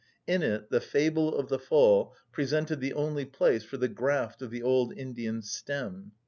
In it the fable of the fall presented the only place for the graft of the old Indian stem.